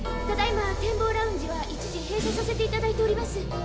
ただいま展望ラウンジは一時閉鎖させていただいております。